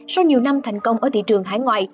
sau nhiều năm thành công ở thị trường hải ngoại